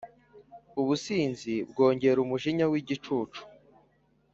Ubusinzi bwongera umujinya w’igicucu,